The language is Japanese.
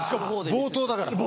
冒頭だから。